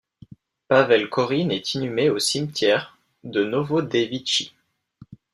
Pavel Korine est inhumé au cimetière de Novodevitchi.